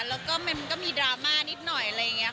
แล้วก็มันก็มีดราม่านิดหน่อยอะไรอย่างนี้ค่ะ